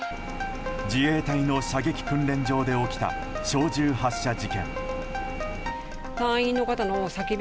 自衛隊の射撃訓練場で起きた小銃発射事件。